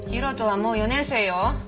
大翔はもう４年生よ。